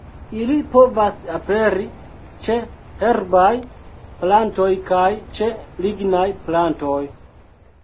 Ili povas aperi ĉe herbaj plantoj kaj ĉe lignaj plantoj.